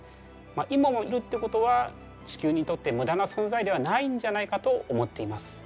今もいるってことは地球にとって無駄な存在ではないんじゃないかと思っています。